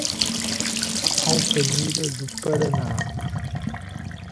Altamira do Paraná